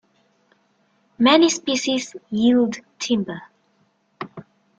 Many species yield timber.